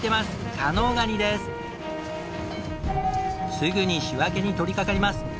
すぐに仕分けに取りかかります。